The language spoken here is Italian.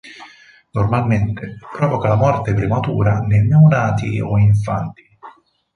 Normalmente provoca la morte prematura nei neonati o infanti.